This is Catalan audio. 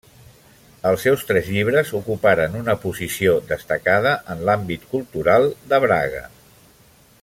Els seus tres llibres ocuparen una posició destacada en l'àmbit cultural de Braga.